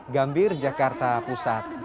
gambir jakarta pusat